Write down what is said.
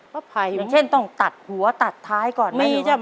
ภัยอย่างเช่นต้องตัดหัวตัดท้ายก่อน